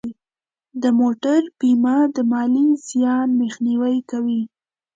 د موټر بیمه د مالی زیان مخنیوی کوي.